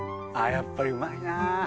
やっぱりうまいなあ。